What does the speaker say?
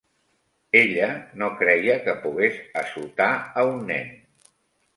Ella no creia que pogués assotar a un nen.